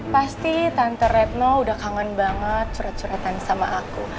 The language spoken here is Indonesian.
pasti tante retno udah kangen banget curet curetan sama aku